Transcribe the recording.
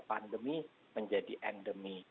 pandemi menjadi endemi